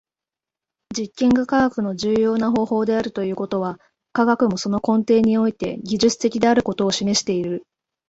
実験が科学の重要な方法であるということは、科学もその根底において技術的であることを示している。